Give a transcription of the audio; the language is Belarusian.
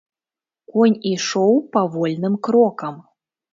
Конь ішоў павольным крокам.